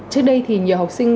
trước đây thì nhiều học sinh